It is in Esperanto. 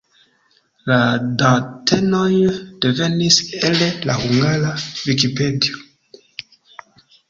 La datenoj devenis el la Hungara Vikipedio.